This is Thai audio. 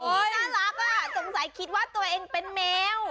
น่ารักอ่ะสงสัยคิดว่าตัวเองเป็นแมว